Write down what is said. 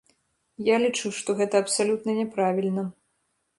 Я лічу, што гэта абсалютна няправільна.